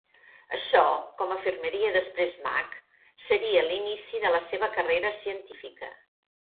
Això, com afirmaria després Mak, seria l'inici de la seva carrera científica.